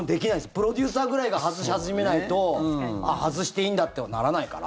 プロデューサーぐらいが外し始めないとあっ、外していいんだってはならないから。